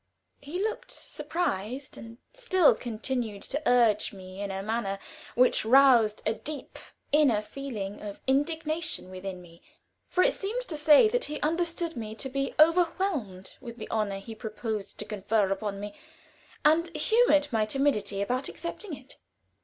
He looked surprised, and still continued to urge me in a manner which roused a deep inner feeling of indignation within me, for it seemed to say that he understood me to be overwhelmed with the honor he proposed to confer upon me, and humored my timidity about accepting it.